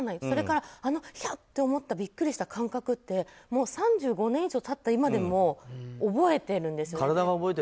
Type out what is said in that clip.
それから、ひゃって思ったビックリした感覚ってもう３５年以上経った今でも覚えているんですよね。